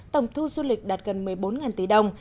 tổng thu du lịch đạt gần một mươi bốn tỷ đồng